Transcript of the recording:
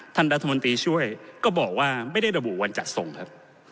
ท่านรัฐมนตรีช่วยก็บอกว่าไม่ได้ระบุวันจัดส่งครับ